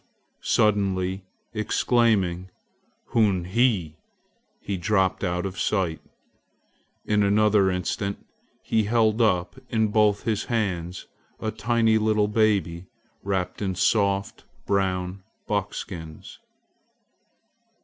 Suddenly exclaiming "Hunhe!" he dropped out of sight. In another instant he held up in both his hands a tiny little baby, wrapped in soft brown buckskins.